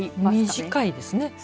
短いですね。